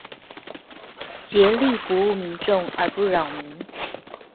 竭力服務民眾而不擾民